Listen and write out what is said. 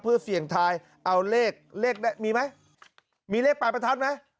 เพื่อเสี่ยงทายเอาเลขเลขได้มีไหมมีเลขปลายประทัดไหม